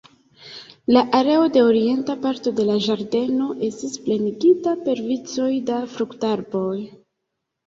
La areo de orienta parto de la ĝardeno estis plenigita per vicoj da fruktarboj.